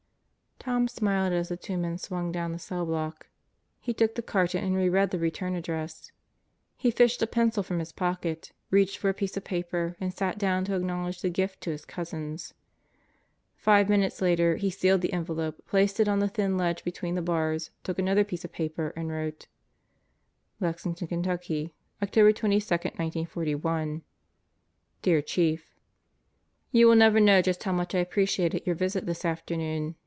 Tom smiled as the two men swung down the cell block. He took the carton and reread the return address. He fished a pencil from his pocket, reached for a piece of paper, and sat down to acknowledge the gift to his cousins. Five minutes later he sealed the envelope, placed it on the thin ledge between the bars, took another piece of paper, and wrote: Lexington, Ky. Oct. 22, 1941 Dear Chief: You will never know just how much I appreciated your visit this afternoon.